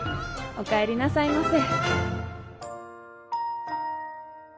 お帰りなさいませ。